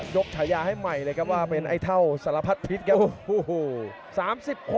ฉายาให้ใหม่เลยครับว่าเป็นไอ้เท่าสารพัดพิษครับ